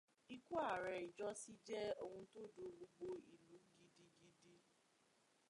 Ikú ààrẹ̀ ìjọ́sí jẹ́ oun tó dun gbogbo ìlú gidigidi.